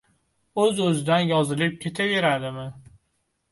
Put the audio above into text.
O’z-o’zidan yozilib ketaveradimi?